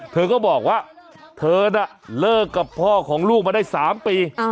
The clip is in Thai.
เธอก็บอกว่าเธอน่ะเลิกกับพ่อของลูกมาได้๓ปี